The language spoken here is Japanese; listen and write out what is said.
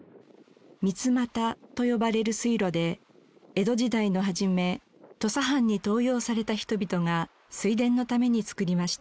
「三叉」と呼ばれる水路で江戸時代の始め土佐藩に登用された人々が水田のためにつくりました。